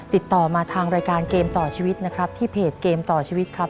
ติดต่อมาทางรายการเกมต่อชีวิตนะครับที่เพจเกมต่อชีวิตครับ